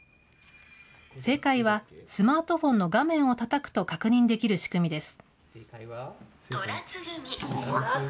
正解はスマートフォンの画面をたたくと確認できる仕組みです。